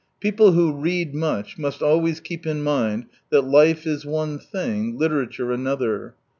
— People who read much must always keep it in raind that life is one thing, literature another.